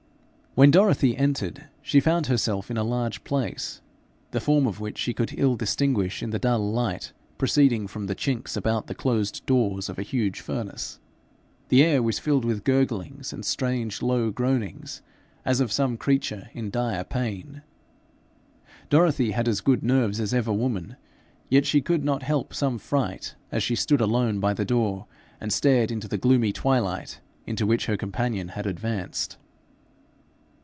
When Dorothy entered she found herself in a large place, the form of which she could ill distinguish in the dull light proceeding from the chinks about the closed doors of a huge furnace. The air was filled with gurglings and strange low groanings, as of some creature in dire pain. Dorothy had as good nerves as ever woman, yet she could not help some fright as she stood alone by the door and stared into the gloomy twilight into which her companion had advanced.